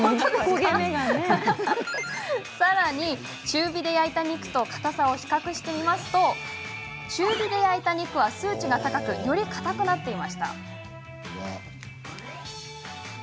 さらに、中火で焼いた肉とかたさを比較してみると中火で焼いた肉は数値が高くより、かたくなっていました。